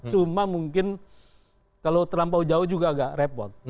cuma mungkin kalau terlampau jauh juga agak repot